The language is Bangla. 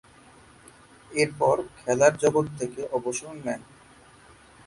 এরপর খেলার জগৎ থেকে অবসর নেন।